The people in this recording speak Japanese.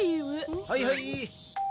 はいはい。